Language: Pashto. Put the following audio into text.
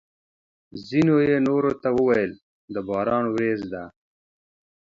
ځینو یې نورو ته ویل: د باران ورېځ ده!